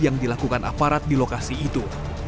yang dilakukan aparat di lokasi itu